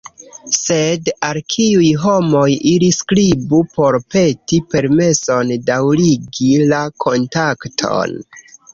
Sed al kiuj homoj ili skribu por peti permeson daŭrigi la kontakton?